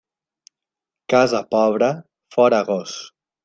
Casa pobra, fora gos.